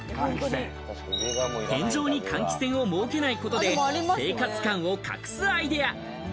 天井に換気扇を設けないことで生活感を隠すアイデア。